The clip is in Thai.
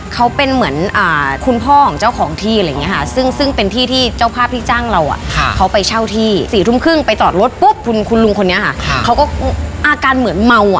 คุณคุณลุงคนนี้อะเค้าก็อาการเหมือนเมาอะ